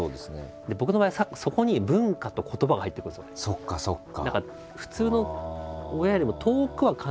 そっかそっか！